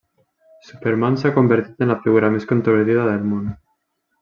Superman s'ha convertit en la figura més controvertida del món.